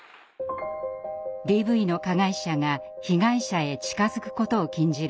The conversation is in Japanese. ＤＶの加害者が被害者へ近づくことを禁じる